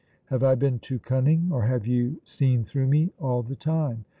Have I been too cunning, or have you seen through me all the time?